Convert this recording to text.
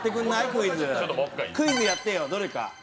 クイズやってよどれか。